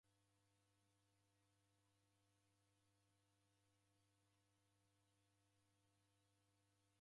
W'andu w'engi w'erelisireghe kubonya kazi raw'o kufuma mzinyi.